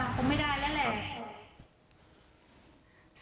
ตรวจอีกก็ไม่แจ้งมาวันนี้ก็ยังว่าคงไม่ได้แล้วแหละ